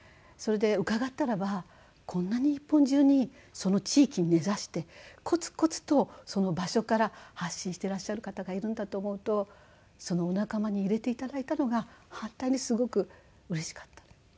それで伺ったらばこんな日本中にその地域に根ざしてコツコツとその場所から発信していらっしゃる方がいるんだと思うとそのお仲間に入れて頂いたのが本当にすごくうれしかった。